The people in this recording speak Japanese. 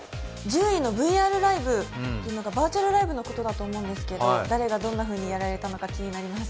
１０位のＶＲライブというのがバーチャルライブのことだと思いますけれども誰がどのようにやられたのか気になります。